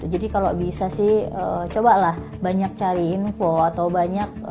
jadi kalau bisa sih cobalah banyak cari info atau banyak